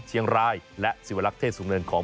เชียงรายและสิวลักษ์สูงเนินของ